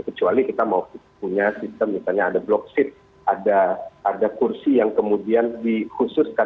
kecuali kita mau punya sistem misalnya ada block seat ada kursi yang kemudian dikhususkan